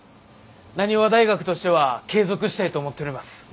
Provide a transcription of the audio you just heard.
浪速大学としては継続したいと思っております。